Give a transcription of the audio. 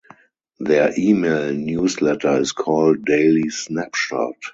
Their email newsletter is called "Daily Snapshot".